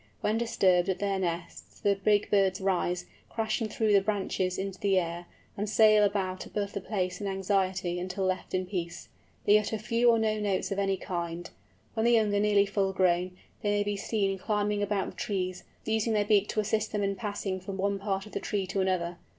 When disturbed at their nests the big birds rise, crashing through the branches into the air, and sail about above the place in anxiety until left in peace. They utter few or no notes of any kind. When the young are nearly full grown, they may be seen climbing about the trees, using their beak to assist them in passing from one part of the tree to another.